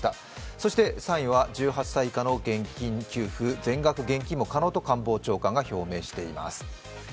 そして３位は１８歳以下の現金給付、全額現金も可能と官房長官が表明しています。